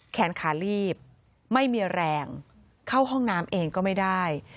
แขนขาลีบไม่มีแรงเข้าห้องน้ำเองก็ไม่ได้